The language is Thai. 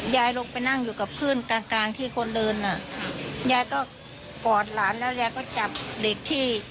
ยายลงไปนั่งอยู่กับเพื่อนกลางกลางที่คนเดินอ่ะค่ะยายก็กอดหลานแล้วยายก็จับเด็กที่